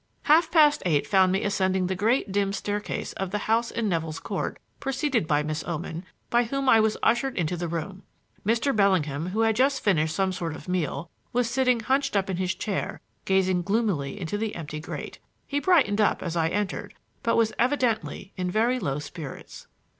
Half past eight found me ascending the great, dim staircase of the house in Nevill's Court preceded by Miss Oman, by whom I was ushered into the room. Mr. Bellingham, who had just finished some sort of meal, was sitting hunched up in his chair gazing gloomily into the empty grate. He brightened up as I entered, but was evidently in very low spirits.